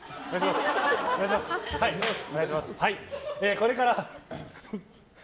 これから。